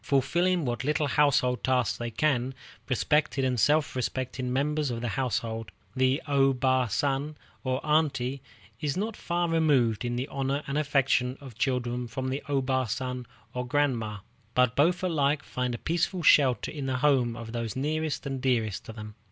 Fulfilling what little household tasks they can, respected and self respecting members of the household, the O Bă San, or Aunty, is not far removed in the honor and affection of the children from the O Bā San, or Grandma, but both alike find a peaceful shelter in the homes of those nearest and dearest to them.